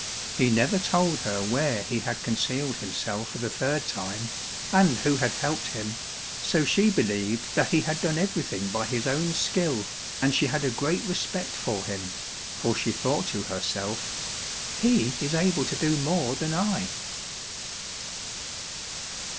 He never told her where he had concealed himself for the third time, and who had helped him, so she believed that he had done everything by his own skill, and she had a great respect for him, for she thought to herself, "He is able to do more than I."